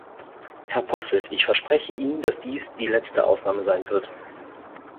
Herr Posselt, ich verspreche Ihnen, dass dies die letzte Ausnahme sein wird.